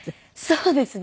そうですね。